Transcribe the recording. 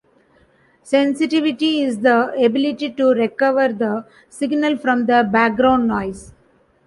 Sensitivity is the ability to recover the signal from the background noise.